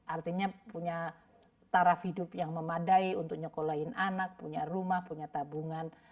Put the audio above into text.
artinya punya taraf hidup yang memadai untuk nyekolahin anak punya rumah punya tabungan